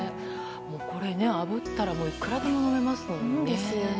これね、あぶったらいくらでも飲めますもんね。